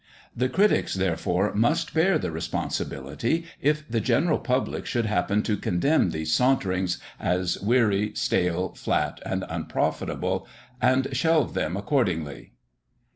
The critics, therefore, must bear the responsibility, if the general public should happen to condemn these "Saunterings," as "weary, stale, flat, and unprofitable," and shelve them accordingly.